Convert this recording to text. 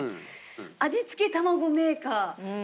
味付けたまごメーカー。